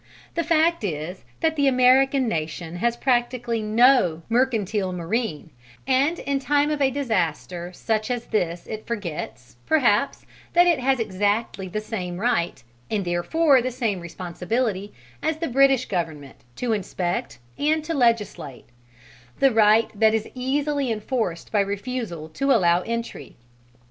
The fact is that the American nation has practically no mercantile marine, and in time of a disaster such as this it forgets, perhaps, that it has exactly the same right and therefore the same responsibility as the British Government to inspect, and to legislate: the right that is easily enforced by refusal to allow entry.